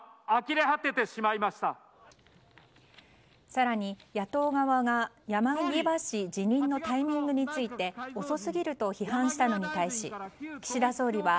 更に野党側が山際氏辞任のタイミングについて遅すぎると批判したのに対し岸田総理は